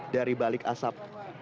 dari balik asap